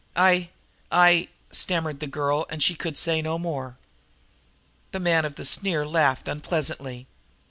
"I I " stammered the girl, and she could say no more. The man of the sneer laughed unpleasantly.